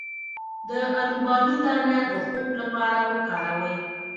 د الوبالو دانه د خوب لپاره وکاروئ